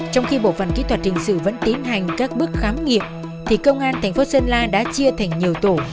trong khi bộ phần kỹ thuật trình sự vẫn tiến hành các bước thám nghiệm thì công an tp sơn la đã chia thành nhiều tổ